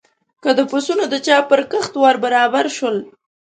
که د پسونو د چا پر کښت ور برابر شول.